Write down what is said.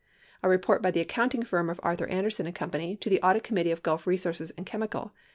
(A report by the accounting firm of Arthur Anderson & Co. to the audit committee of Gulf Resources & Chemical Co.